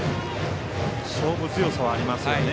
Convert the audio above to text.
勝負強さはありますよね